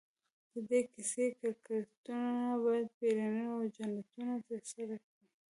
د دې کیسې کرکټرونه باید پیریان او جنونه ترسره کړي.